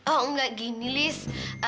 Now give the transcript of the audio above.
oh enggak gini liz